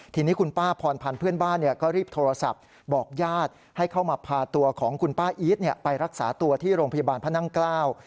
ทีนี้คุณป้าพรพันธ์เพื่อนบ้านเนี่ยก็รีบโทรศัพท์บอกญาติให้เข้ามาพาตัวของคุณป้าอีทไปรักษาตัวที่โรงพยาบาลพระนั่งเกล้า